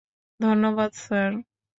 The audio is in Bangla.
ধন্যবাদ, স্যার!